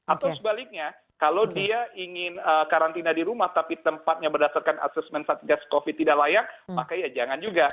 atau sebaliknya kalau dia ingin karantina di rumah tapi tempatnya berdasarkan asesmen satgas covid tidak layak maka ya jangan juga